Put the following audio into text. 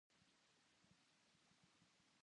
身辺の注意を怠らず、言動も慎むべきだということ。